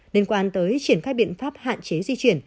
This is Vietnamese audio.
liên quan tới triển khai biện pháp hạn chế di chuyển